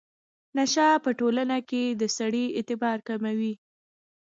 نشه په ټولنه کې د سړي اعتبار کموي.